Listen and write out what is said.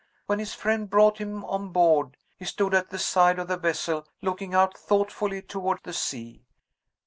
When his friend brought him on board, he stood at the side of the vessel, looking out thoughtfully toward the sea.